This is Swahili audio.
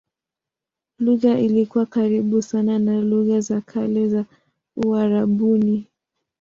Lugha ilikuwa karibu sana na lugha za kale za Uarabuni.